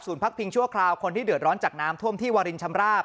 พักพิงชั่วคราวคนที่เดือดร้อนจากน้ำท่วมที่วารินชำราบ